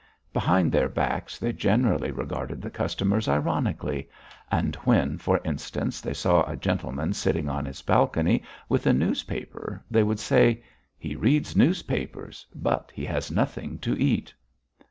Behind their backs they generally regarded the customers ironically, and when, for instance, they saw a gentleman sitting on his balcony with a newspaper, they would say: "He reads newspapers, but he has nothing to eat."